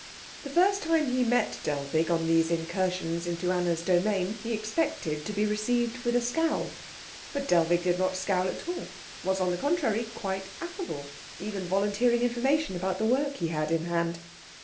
The first time he met Dellwig on these incursions into Anna's domain, he expected to be received with a scowl; but Dellwig did not scowl at all; was on the contrary quite affable, even volunteering information about the work he had in hand.